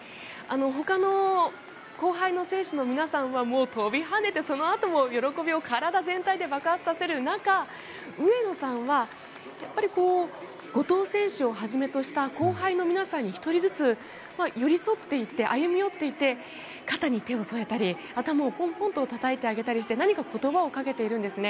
ほかの後輩の選手の皆さんは跳びはねてそのあとも喜びを体全体で爆発させる中、上野さんは後藤選手をはじめとした後輩の皆さんに１人ずつ寄り添っていって歩み寄っていって肩に手を添えたり頭をポンポンとたたいてあげたりして何か言葉をかけているんですね。